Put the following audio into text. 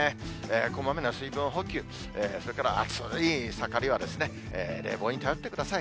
こまめな水分補給、それから暑い盛りはですね、冷房に頼ってください。